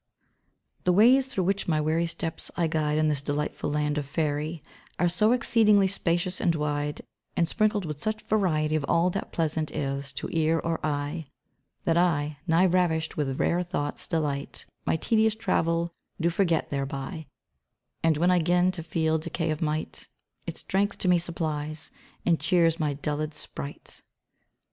The waies through which my weary steps I guide In this delightful land of Faery Are so exceeding spacious and wyde, And sprinckled with such sweet variety Of all that pleasant is to eare or eye, That I, nigh ravisht with rare thoughts' delight, My tedious travele doe forget thereby; And when I gin to feele decay of might, It strength to me supplies, and chears my dulléd spright.